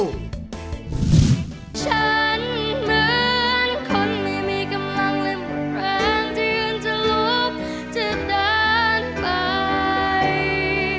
ฉันเหมือนคนไม่มีกำลังและแรงยืนจะลบจะเดินไป